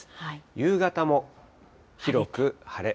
夕方も広く晴れ。